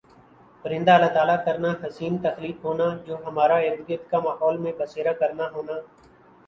پرندہ اللہ تعالی کرنا حسین تخلیق ہونا جو ہمارہ ارد گرد کا ماحول میں بسیرا کرنا ہونا